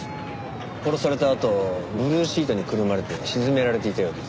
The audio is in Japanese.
殺されたあとブルーシートにくるまれて沈められていたようです。